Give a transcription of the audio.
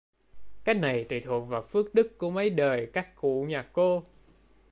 Cái này tùy thuộc vào phước đức của mấy đời các cụ nhà cô